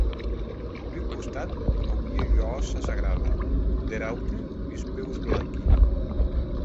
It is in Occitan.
D’un costat auie ua hòssa sagrada; der aute uns peus blanqui.